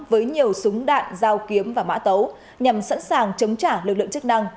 với nhiều súng đạn dao kiếm và mã tấu nhằm sẵn sàng chống trả lực lượng chức năng